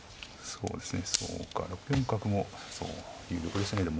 そうですね。